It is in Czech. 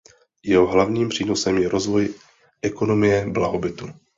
Jeho hlavním přínosem je rozvoj ekonomie blahobytu.